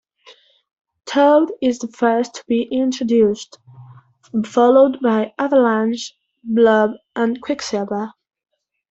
Toad is the first to be introduced, followed by Avalanche, Blob and Quicksilver.